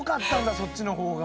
そっちの方が。